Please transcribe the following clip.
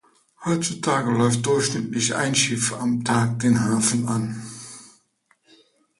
Heutzutage läuft durchschnittlich ein Schiff am Tag den Hafen an.